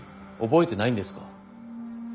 覚えてないんですか？